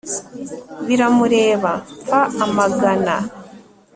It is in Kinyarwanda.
biramureba mfa amagana.